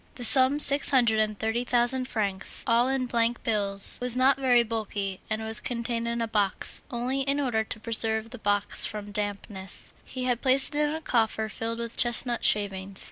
The sum, six hundred and thirty thousand francs, all in bank bills, was not very bulky, and was contained in a box; only, in order to preserve the box from dampness, he had placed it in a coffer filled with chestnut shavings.